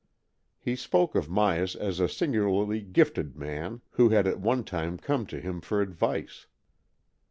He spoke of Myas as a singularly gifted man, who had at one time come to him for advice.